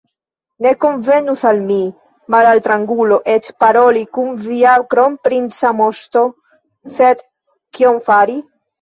Ne konvenus al mi, malaltrangulo, eĉ paroli kun via kronprinca moŝto, sed kion fari?